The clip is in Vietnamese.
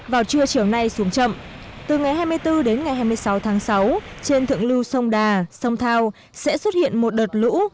vào trưa chiều nay xuống chậm từ ngày hai mươi bốn đến ngày hai mươi sáu tháng sáu trên thượng lưu sông đà sông thao sẽ xuất hiện một đợt lũ